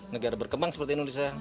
negara berkembang seperti indonesia